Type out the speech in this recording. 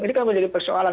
ini kan menjadi persoalan